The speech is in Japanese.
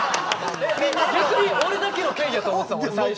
逆に俺だけのケイやと思ってたもん最初。